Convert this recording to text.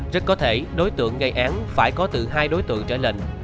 rất có thể đối tượng gây án phải có tự hai đối tượng